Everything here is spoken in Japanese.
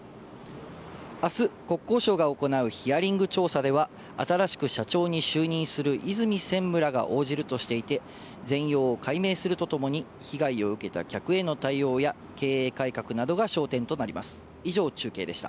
あす、国交省が行うヒアリング調査では、新しく社長に就任する和泉専務らが応じるとしていて、全容を解明するとともに、被害を受けた客への対応や経営改革などが焦点となります。